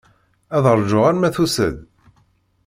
Ad ṛjuɣ arma tusa-d.